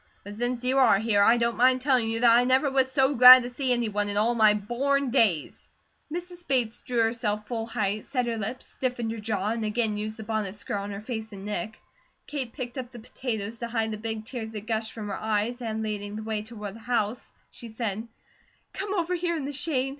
But since you are here, I don't mind telling you that I never was so glad to see any one in all my born days." Mrs. Bates drew herself full height, set her lips, stiffened her jaw, and again used the bonnet skirt on her face and neck. Kate picked up the potatoes, to hide the big tears that gushed from her eyes, and leading the way toward the house she said: "Come over here in the shade.